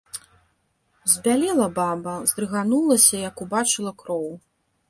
Збялела баба, здрыганулася, як убачыла кроў.